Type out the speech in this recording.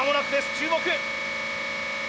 注目！